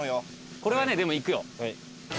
これはねでもいくよ。